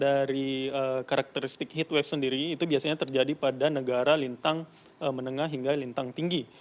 dari karakteristik heatwave sendiri itu biasanya terjadi pada negara lintang menengah hingga lintang tinggi